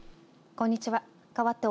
こんにちは。